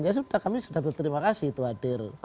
ya sudah kami sudah berterima kasih itu hadir